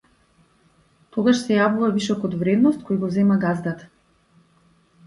Тогаш се јавува вишокот вредност кој го зема газдата.